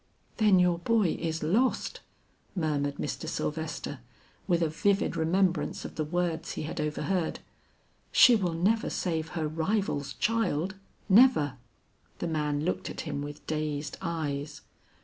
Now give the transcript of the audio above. "Then your boy is lost," murmured Mr. Sylvester, with a vivid remembrance of the words he had overheard. "She will never save her rival's child, never." The man looked at him with dazed eyes.